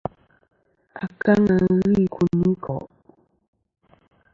Akaŋa ghɨ i kuyniko'.